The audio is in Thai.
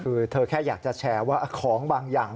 คือเธอแค่อยากจะแชร์ว่าของบางอย่าง